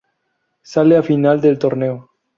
Sale a final del torneo.